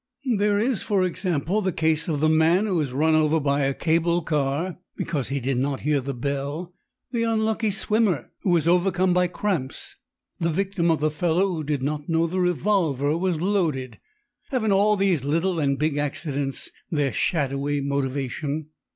There is, for example, the case of the man who is run over by a cable car because he did not hear the bell, the unlucky swimmer who is overcome by cramps, the victim of the fellow who did not know the revolver was loaded. Haven't all these little and big accidents their shadowy motivation?"